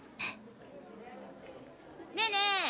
ねえねえ！